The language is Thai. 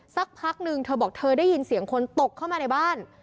สักพักนึงเธอบอกเธอได้ยินเสียงคนตกเข้ามาในบ้าน